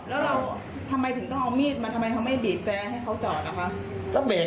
แล้วเราทำไมถึงต้องเอามีดมาทำไมเขาไม่บีบแตรให้เขาจอดนะคะ